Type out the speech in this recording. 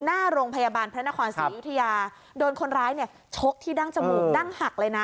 หน้าโรงพยาบาลพระนครศรีอยุธยาโดนคนร้ายเนี่ยชกที่ดั้งจมูกดั้งหักเลยนะ